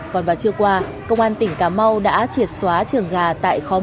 còn vào trưa qua công an tỉnh cà mau đã triệt xóa trường gà tại khóm